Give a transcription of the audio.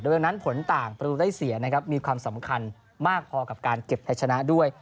ดังนั้นผลต่างประตูได้เสียนะครับมีความสำคัญมากพอกับการเก็บไทยชนะด้วย